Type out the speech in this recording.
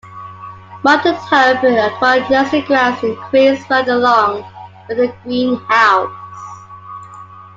Martin Hope acquired nursery grounds in Queens Road along with a greenhouse.